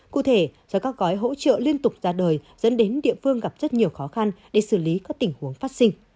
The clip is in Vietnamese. cụ thể do các gói hỗ trợ liên tục ra đời dẫn đến địa phương gặp rất nhiều khó khăn để xử lý các tình huống phát sinh